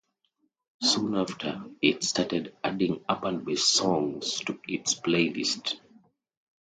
Soon after, it started adding urban based songs to its playlist.